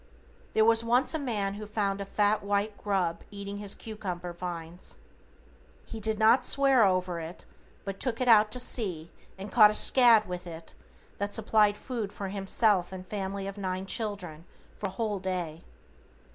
There once was a man who found a fat white grub eating his cucumber vines; he did not swear at it, but took it out to sea and caught a shad with it that supplied food for himself and family of nine children for a whole day.